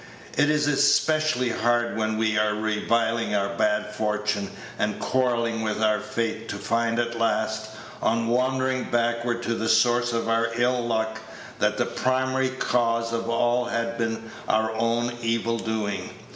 It is especially hard when we are reviling our bad fortune, and quarrelling with our fate, to find at last, on wandering backward to the source of our ill luck, that the primary cause of all has been our own evil doing.